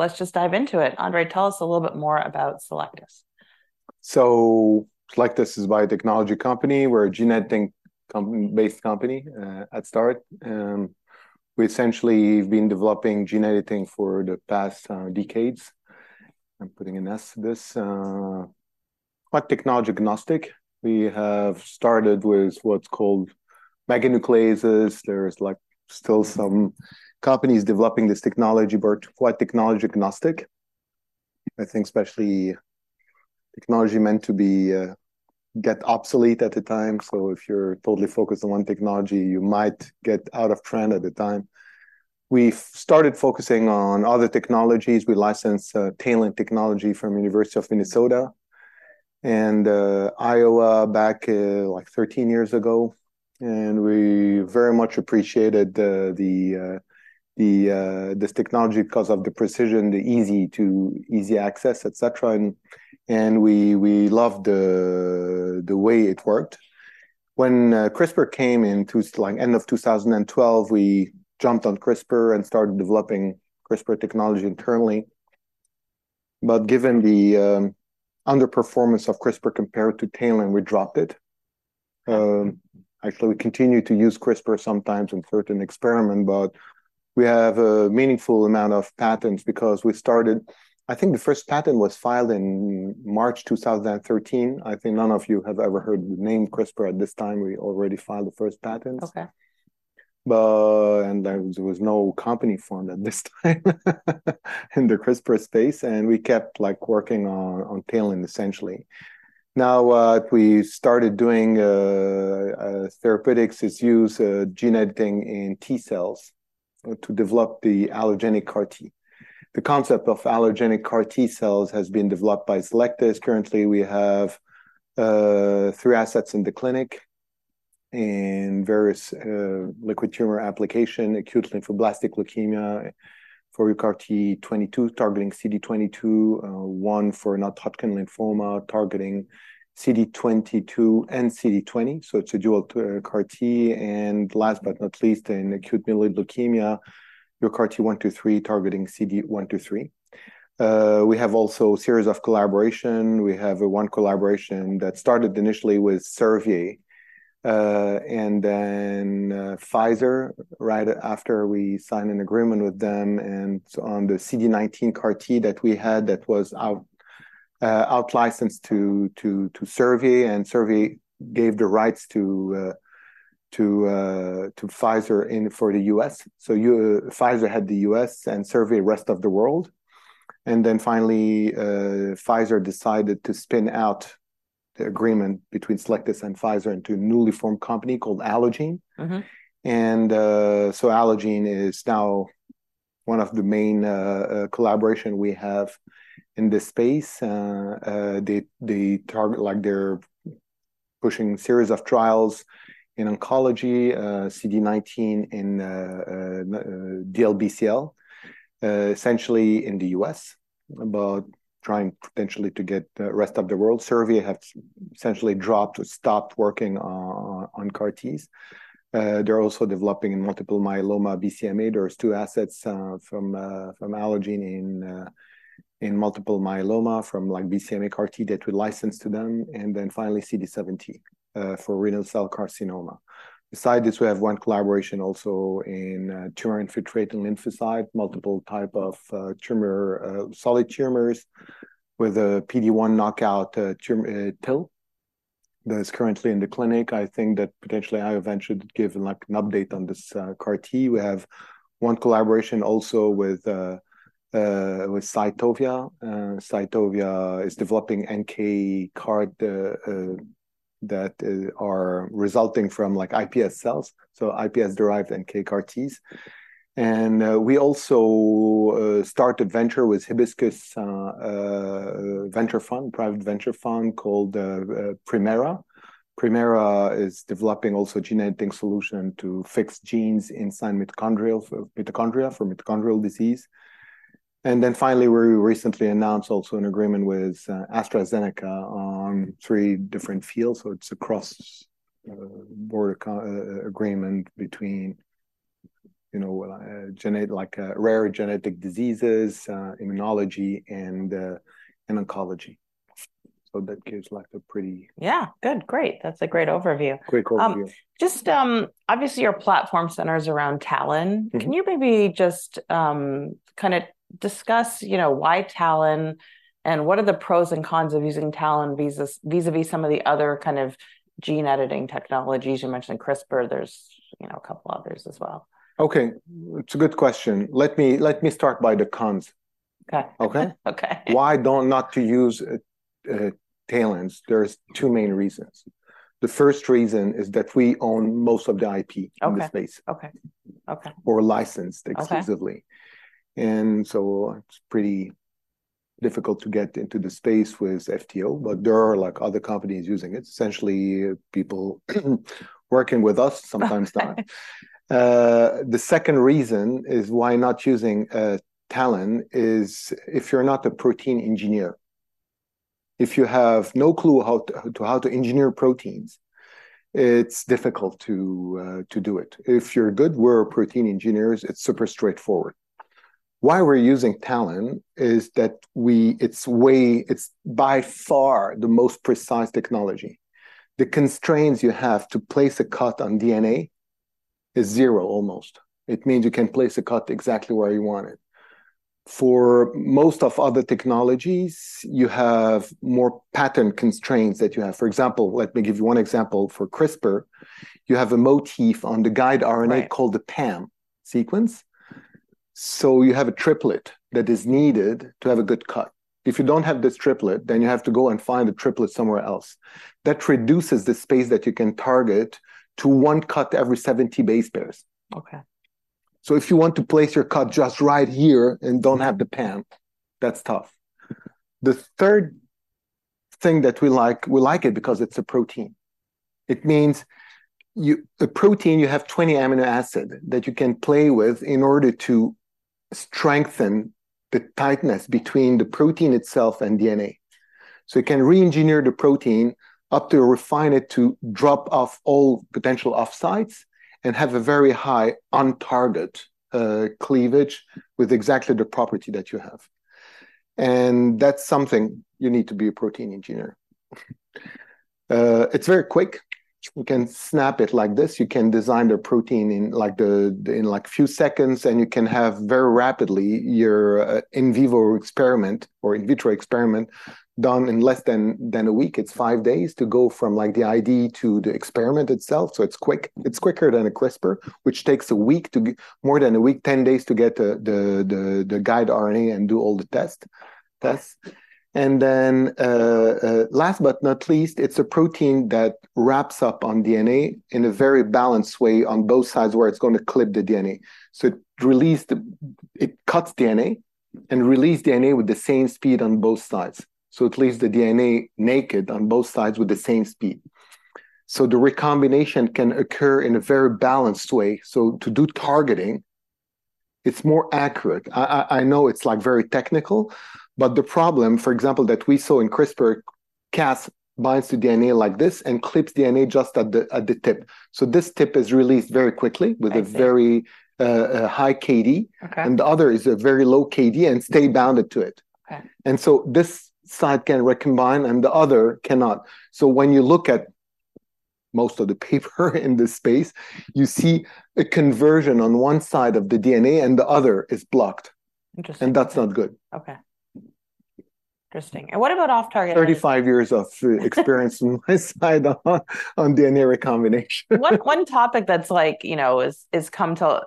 Let's just dive into it. André, tell us a little bit more about Cellectis. So Cellectis is a biotechnology company. We're a gene editing company-based company at start, we essentially been developing gene editing for the past decades. I'm putting an S this, but technology agnostic. We have started with what's called meganucleases. There's, like, still some companies developing this technology, but we're quite technology agnostic. I think especially technology meant to be get obsolete at the time, so if you're totally focused on one technology, you might get out of trend at the time. We've started focusing on other technologies. We license TALEN technology from University of Minnesota and Iowa back, like 13 years ago, and we very much appreciated the this technology because of the precision, the easy access, et cetera, and we loved the way it worked. When CRISPR came in to, like, end of 2012, we jumped on CRISPR and started developing CRISPR technology internally. But given the underperformance of CRISPR compared to TALEN, we dropped it. Actually, we continue to use CRISPR sometimes in certain experiment, but we have a meaningful amount of patents because we started—I think the first patent was filed in March 2013. I think none of you have ever heard the name CRISPR at this time, we already filed the first patents. Okay. There was no company formed at this time in the CRISPR space, and we kept, like, working on TALEN, essentially. Now, we started doing therapeutics using gene editing in T-cells to develop the allogeneic CAR T. The concept of allogeneic CAR T-cells has been developed by Cellectis. Currently, we have three assets in the clinic in various liquid tumor application, acute lymphoblastic leukemia for UCART22, targeting CD22, one for non-Hodgkin lymphoma, targeting CD22 and CD20, so it's a dual CAR T. And last but not least, in acute myeloid leukemia, UCART123, targeting CD123. We have also series of collaboration. We have one collaboration that started initially with Servier, and then Pfizer, right after we signed an agreement with them, and on the CD19 CAR T that we had that was out licensed to Servier, and Servier gave the rights to Pfizer in for the US. So Pfizer had the US and Servier, rest of the world. And then finally, Pfizer decided to spin out the agreement between Cellectis and Pfizer into a newly formed company called Allogene. Mm-hmm. So Allogene is now one of the main collaboration we have in this space. They target, like, they're pushing series of trials in oncology, CD19 in DLBCL, essentially in the U.S., about trying potentially to get the rest of the world. Servier have essentially dropped or stopped working on CAR Ts. They're also developing in multiple myeloma BCMA. There's two assets from Allogene in multiple myeloma, from like BCMA CAR T that we licensed to them, and then finally CD70 for renal cell carcinoma. Besides this, we have one collaboration also in tumor-infiltrating lymphocyte, multiple type of tumor, solid tumors with a PD-1 knockout TIL that is currently in the clinic. I think that potentially I eventually give, like, an update on this, CAR T. We have one collaboration also with, with Cytovia. Cytovia is developing NK CAR T, that are resulting from, like, iPS cells, so iPS-derived NK CAR Ts. And, we also, started venture with Hibiscus, venture fund, private venture fund called, Primera. Primera is developing also gene editing solution to fix genes in some mitochondrial, mitochondria, for mitochondrial disease. And then finally, we recently announced also an agreement with, AstraZeneca on three different fields. So it's a cross-board agreement between, you know, gene, like, rare genetic diseases, immunology, and, and oncology. So that gives, like, a pretty- Yeah, good. Great! That's a great overview. Great overview. Just, obviously, your platform centers around TALEN. Mm-hmm. Can you maybe just, kind of discuss, you know, why TALEN, and what are the pros and cons of using TALEN vis-à-vis some of the other kind of gene editing technologies? You mentioned CRISPR. There's, you know, a couple others as well. Okay, it's a good question. Let me, let me start by the cons. Okay. Okay? Okay. Why not to use TALEN? There are two main reasons. The first reason is that we own most of the IP- Okay... in the space. Okay. Okay. Or licensed- Okay... exclusively, and so it's pretty difficult to get into the space with FTO, but there are, like, other companies using it, essentially, people working with us, sometimes not. Okay. The second reason is why not using TALEN is if you're not a protein engineer. If you have no clue how to engineer proteins, it's difficult to do it. If you're good, we're protein engineers, it's super straightforward. Why we're using TALEN is that it's by far the most precise technology. The constraints you have to place a cut on DNA is zero almost. It means you can place a cut exactly where you want it. For most of other technologies, you have more pattern constraints that you have. For example, let me give you one example. For CRISPR, you have a motif on the guide RNA. Right... called the PAM sequence. So you have a triplet that is needed to have a good cut. If you don't have this triplet, then you have to go and find a triplet somewhere else. That reduces the space that you can target to one cut every 70 base pairs. Okay. So if you want to place your cut just right here and don't have the PAM, that's tough. The third thing that we like, we like it because it's a protein. It means you—a protein, you have 20 amino acid that you can play with in order to strengthen the tightness between the protein itself and DNA. So you can re-engineer the protein up to refine it, to drop off all potential off sites, and have a very high on-target cleavage with exactly the property that you have, and that's something you need to be a protein engineer. It's very quick. You can snap it like this. You can design the protein in, like, the—in, like, few seconds, and you can have very rapidly your in vivo experiment or in vitro experiment done in less than a week. It's 5 days to go from, like, the ID to the experiment itself, so it's quick. It's quicker than a CRISPR, which takes a week to more than a week, 10 days to get the guide RNA and do all the tests. And then, last but not least, it's a protein that wraps up on DNA in a very balanced way on both sides, where it's going to clip the DNA. So it release the-- it cuts DNA and release DNA with the same speed on both sides. So it leaves the DNA naked on both sides with the same speed. So the recombination can occur in a very balanced way. So to do targeting, it's more accurate. I know it's, like, very technical, but the problem, for example, that we saw in CRISPR-Cas binds to DNA like this and clips DNA just at the tip. So this tip is released very quickly- I see... with a very high KD. Okay. The other is a very low KD and stay bounded to it. Okay. And so this side can recombine, and the other cannot. So when you look at most of the paper in this space, you see a conversion on one side of the DNA, and the other is blocked. Interesting. That's not good. Okay. Interesting. And what about off-target editing? 35 years of experience on my side on DNA recombination. One topic that's like, you know, is come to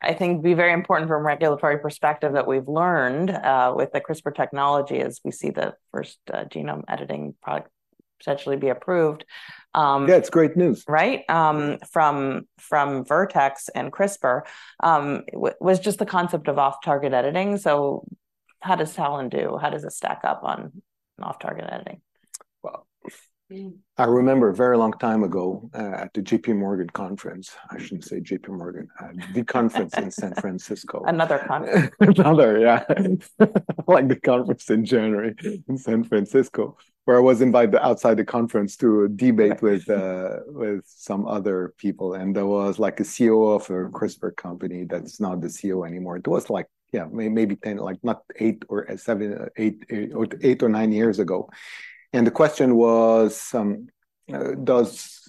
I think be very important from a regulatory perspective that we've learned with the CRISPR technology as we see the first genome editing product potentially be approved. Yeah, it's great news. Right? From Vertex and CRISPR, was just the concept of off-target editing. So how does TALEN do? How does it stack up on off-target editing? Well, I remember a very long time ago at the J.P. Morgan conference. I shouldn't say J.P. Morgan. The conference in San Francisco. Another conference. Another, yeah. Like, the conference in January in San Francisco, where I was invited outside the conference to a debate with some other people, and there was, like, a CEO of a CRISPR company that's not the CEO anymore. It was like, yeah, maybe 10, like, not eight or seven, eight, or eight or nine years ago, and the question was, "Does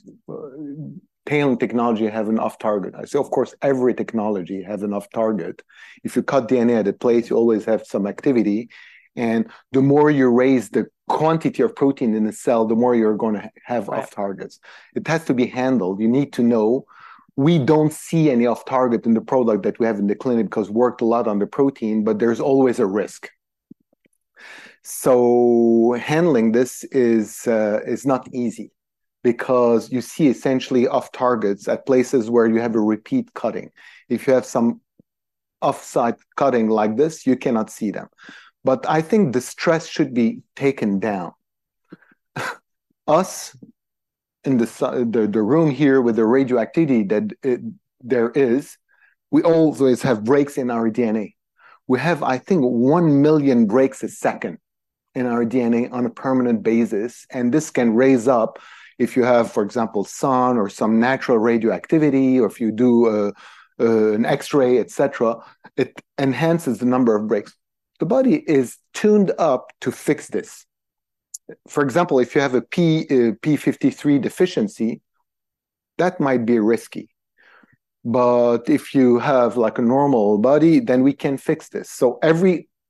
TALEN technology have an off-target?" I say, "Of course, every technology has an off-target." If you cut DNA at a place, you always have some activity, and the more you raise the quantity of protein in a cell, the more you're going to have- Right... off-targets. It has to be handled. You need to know. We don't see any off-target in the product that we have in the clinic, 'cause we worked a lot on the protein, but there's always a risk. So handling this is not easy because you see essentially off-targets at places where you have a repeat cutting. If you have some off-target cutting like this, you cannot see them. But I think the stress should be taken down. As in the room here with the radioactivity that there is, we always have breaks in our DNA. We have, I think, 1 million breaks a second in our DNA on a permanent basis, and this can raise up, if you have, for example, sun or some natural radioactivity, or if you do an X-ray, et cetera, it enhances the number of breaks. The body is tuned up to fix this. For example, if you have a p53 deficiency, that might be risky. But if you have, like, a normal body, then we can fix this. So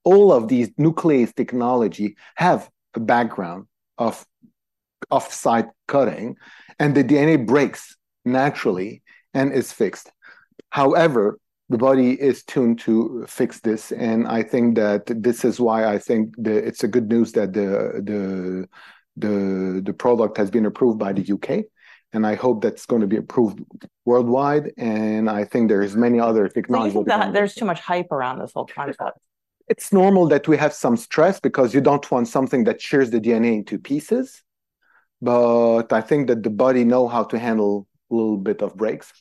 all of these nuclease technology have a background of off-target cutting, and the DNA breaks naturally and is fixed. However, the body is tuned to fix this, and I think that this is why I think it's a good news that the product has been approved by the UK, and I hope that's going to be approved worldwide, and I think there is many other technologies that- So you think that there's too much hype around this whole concept? It's normal that we have some stress because you don't want something that shears the DNA into pieces, but I think that the body know how to handle a little bit of breaks. ...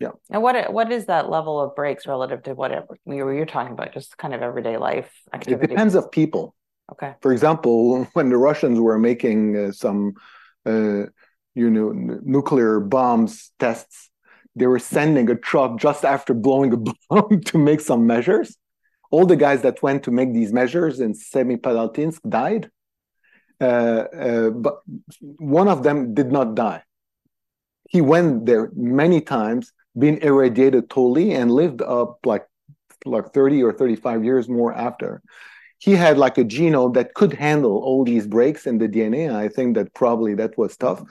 Yeah. And what is that level of breaks relative to what you're talking about, just kind of everyday life activity? It depends of people. Okay. For example, when the Russians were making some, you know, nuclear bombs tests, they were sending a truck just after blowing a bomb to make some measures. All the guys that went to make these measures in Semipalatinsk died. But one of them did not die. He went there many times, being irradiated totally, and lived up, like, 30 or 35 years more after. He had, like, a genome that could handle all these breaks in the DNA, and I think that probably that was tough.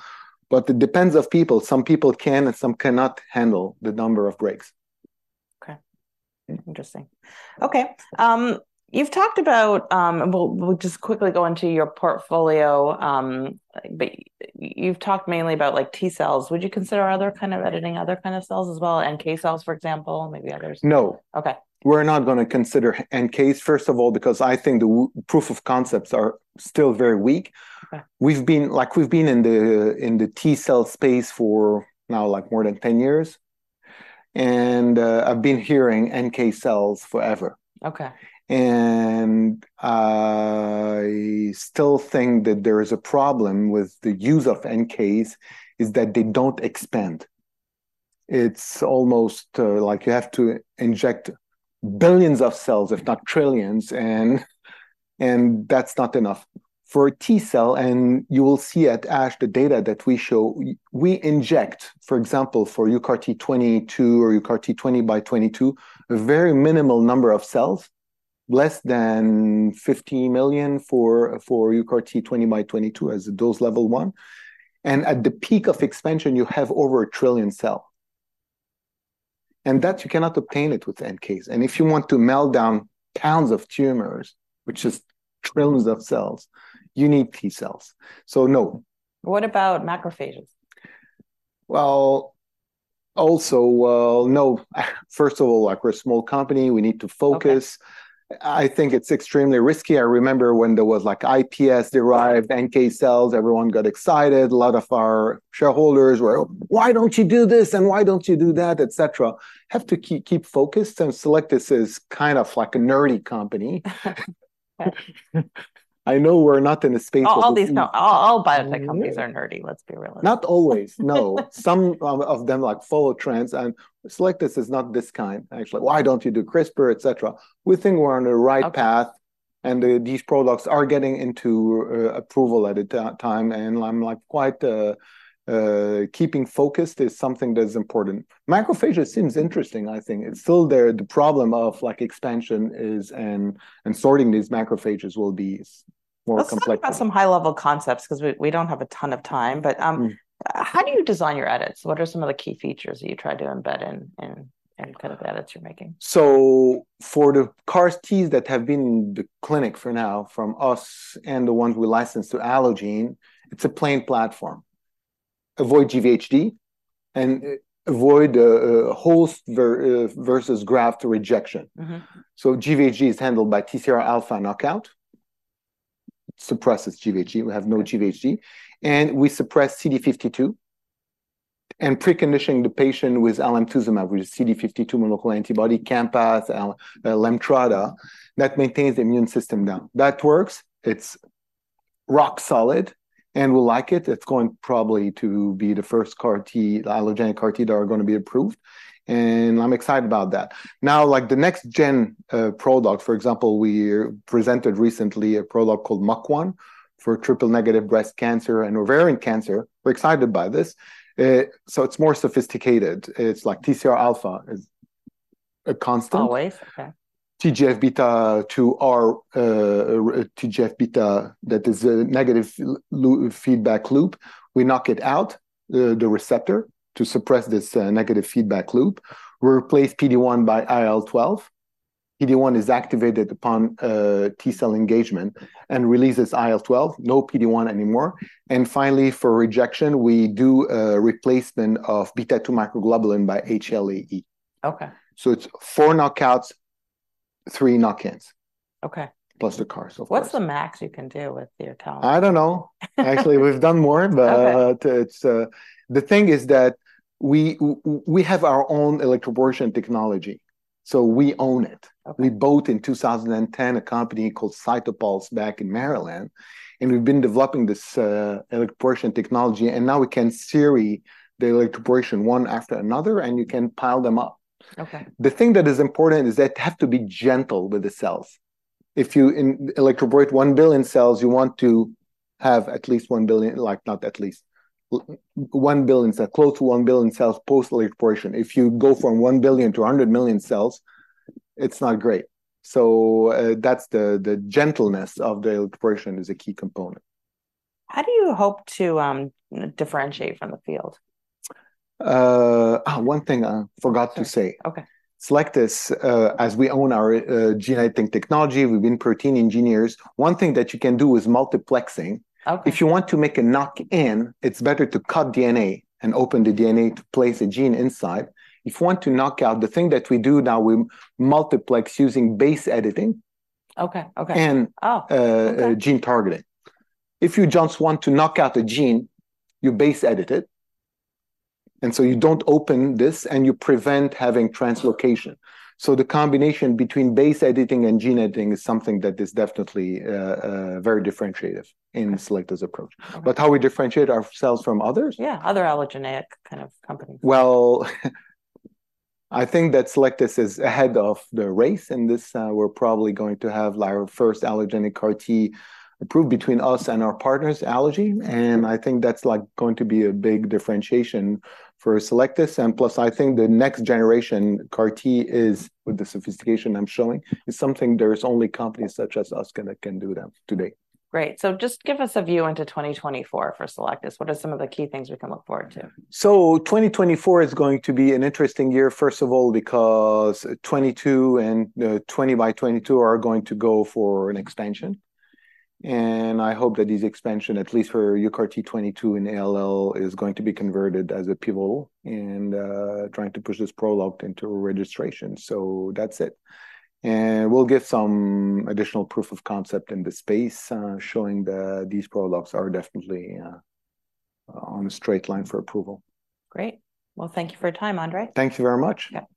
But it depends of people. Some people can, and some cannot handle the number of breaks. Okay. Interesting. Okay, you've talked about—we'll just quickly go into your portfolio, but you've talked mainly about, like, T cells. Would you consider other kind of editing, other kind of cells as well, NK cells, for example, maybe others? No. Okay. We're not gonna consider NKs, first of all, because I think the proof of concepts are still very weak. Okay. We've been like, we've been in the T-cell space for now, like, more than 10 years, and I've been hearing NK cells forever. Okay. I still think that there is a problem with the use of NKs, is that they don't expand. It's almost like you have to inject billions of cells, if not trillions, and that's not enough. For a T cell, and you will see at ASH the data that we show, we inject, for example, for UCART22 or UCART20x22, a very minimal number of cells, less than 50 million for UCART20x22 as a dose level 1, and at the peak of expansion, you have over a trillion cell, and that you cannot obtain it with NKs. And if you want to melt down pounds of tumors, which is trillions of cells, you need T cells. So no. What about macrophages? Well, no. First of all, like, we're a small company. We need to focus. Okay. I think it's extremely risky. I remember when there was, like, iPS-derived NK cells. Everyone got excited. A lot of our shareholders were, "Why don't you do this, and why don't you do that?" Et cetera. Have to keep focused, and Cellectis is kind of like a nerdy company. Okay. I know we're not in the space of- All, all biotech companies are nerdy, let's be realistic. Not always, no. Some of them, like, follow trends, and Cellectis is not this kind. Actually, why don't you do CRISPR, et cetera? We think we're on the right path- Okay... and these products are getting into approval at a time, and I'm like quite—keeping focused is something that's important. Macrophage seems interesting, I think. It's still there. The problem of like expansion is, and sorting these macrophages will be more complex. Let's talk about some high-level concepts, 'cause we don't have a ton of time. But, Mm ... how do you design your edits? What are some of the key features that you try to embed in kind of the edits you're making? So for the CAR T's that have been in the clinic for now, from us and the ones we licensed to Allogene, it's a plain platform. Avoid GVHD and avoid host versus graft rejection. Mm-hmm. GVHD is handled by TCR alpha knockout. Suppresses GVHD. We have no GVHD. Okay. We suppress CD52, and preconditioning the patient with alemtuzumab, which is CD52 monoclonal antibody, Campath, Lemtrada, that maintains the immune system down. That works, it's rock solid, and we like it. It's going probably to be the first CAR T-allogeneic CAR T that are gonna be approved, and I'm excited about that. Now, like, the next gen product, for example, we presented recently a product called MUC1 for triple-negative breast cancer and ovarian cancer. We're excited by this. So it's more sophisticated. It's like TCR alpha is a constant. Always? Okay. TGF-beta receptor, TGF-beta, that is a negative feedback loop. We knock it out, the receptor, to suppress this negative feedback loop. We replace PD-1 by IL-12. PD-1 is activated upon T cell engagement and releases IL-12. No PD-1 anymore. And finally, for rejection, we do a replacement of beta-2 microglobulin by HLA-E. Okay. It's four knockouts, three knockins- Okay... plus the CARs, of course. What's the max you can do with your count? I don't know. Actually, we've done more, but- Okay... it's the thing is that we have our own electroporation technology, so we own it. Okay. We bought in 2010 a company called CytoPulse back in Maryland, and we've been developing this, electroporation technology, and now we can series the electroporation one after another, and you can pile them up. Okay. The thing that is important is that you have to be gentle with the cells. If you electroporate 1 billion cells, you want to have at least 1 billion, like, not at least, 1 billion cells, close to 1 billion cells, post-electroporation. If you go from 1 billion to 100 million cells, it's not great. So, that's the gentleness of the electroporation is a key component. How do you hope to, you know, differentiate from the field? One thing I forgot to say. Okay, okay. As we own our gene editing technology, we've been protein engineers, one thing that you can do is multiplexing. Okay. If you want to make a knockin, it's better to cut DNA and open the DNA to place a gene inside. If you want to knockout, the thing that we do now, we multiplex using base editing- Okay. Okay... and- Oh... gene targeting. If you just want to knock out a gene, you base edit it, and so you don't open this, and you prevent having translocation. So the combination between base editing and gene editing is something that is definitely, very differentiated in Cellectis's approach. Okay. How we differentiate ourselves from others? Yeah, other allogeneic kind of companies. Well, I think that Cellectis is ahead of the race in this. We're probably going to have, like, our first allogeneic CAR T approved between us and our partners, Allogene- Okay... and I think that's, like, going to be a big differentiation for Cellectis. And plus, I think the next generation CAR T is, with the sophistication I'm showing, is something there is only companies such as us can do that today. Great. So just give us a view into 2024 for Cellectis. What are some of the key things we can look forward to? So 2024 is going to be an interesting year. First of all, because 22 and 20x22 are going to go for an expansion, and I hope that this expansion, at least for UCART 22 and ALL, is going to be converted as a pivotal in trying to push this product into a registration. So that's it, and we'll get some additional proof of concept in the space, showing that these products are definitely on a straight line for approval. Great. Well, thank you for your time, André. Thank you very much.